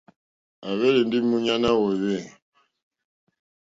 À hwélì ndí múɲánà wòòwê.